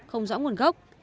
không rõ nguồn gốc